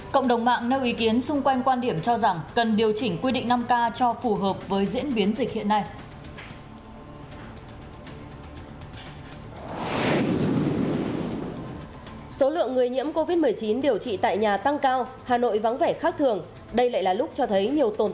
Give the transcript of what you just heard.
các bạn hãy đăng ký kênh để ủng hộ kênh của chúng mình nhé